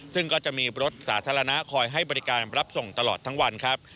ซึ่งก็จะมีรถสาธารณะคอยให้บริการรับส่งตลอดทั้งวันครับ